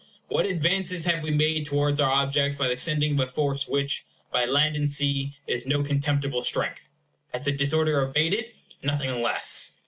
What advances have we made towards our object by the sending of a force which, by land and sea, is no contemptible strength? Has the disorder abated? Nothing less.